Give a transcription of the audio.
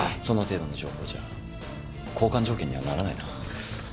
その程度の情報じゃ交換条件にはならないな。